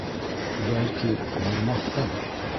— Бәлки, бармаҫһың?